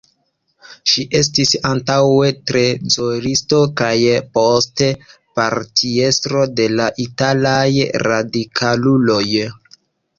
Ŝi estis antaŭe trezoristo kaj poste partiestro de la Italaj Radikaluloj.